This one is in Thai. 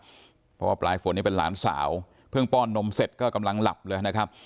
เพราะว่าปลายฝนนี่เป็นหลานสาวเพิ่งป้อนนมเสร็จก็กำลังหลับเลยนะครับ